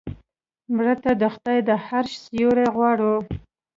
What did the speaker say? مړه ته د خدای د عرش سیوری غواړو